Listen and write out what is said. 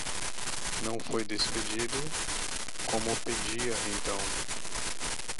Não foi despedido, como pedia então;